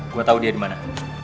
gue tau dia dimana